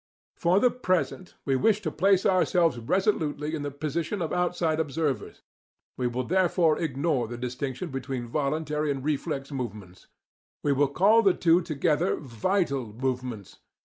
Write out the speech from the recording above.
For the present, we wish to place ourselves resolutely in the position of outside observers; we will therefore ignore the distinction between voluntary and reflex movements. We will call the two together "vital" movements.